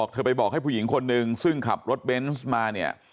ไปบอกให้ผู้หญิงคนนึงซึ่งขับรถเบนส์มาเนี่ย